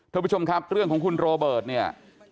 ท่านผู้ชมครับเรื่องของคุณโรเบิร์ตเนี่ย